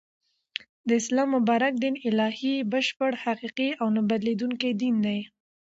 د اسلام مبارک دین الهی ، بشپړ ، حقیقی او نه بدلیدونکی دین دی